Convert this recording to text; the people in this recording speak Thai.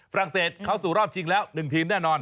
เศสเข้าสู่รอบชิงแล้ว๑ทีมแน่นอน